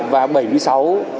và bảy mươi sáu cán bộ